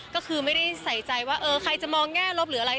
ก็คือไม่ได้ใส่ใจว่าเออใครจะมองแง่ลบหรืออะไร